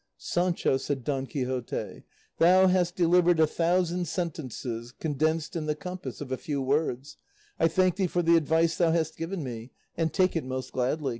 "Sancho," said Don Quixote, "thou hast delivered a thousand sentences condensed in the compass of a few words; I thank thee for the advice thou hast given me, and take it most gladly.